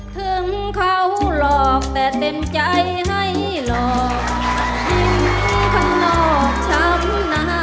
ถึงเขาหลอกแต่เต็มใจให้หลอก